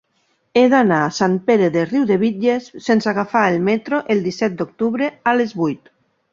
He d'anar a Sant Pere de Riudebitlles sense agafar el metro el disset d'octubre a les vuit.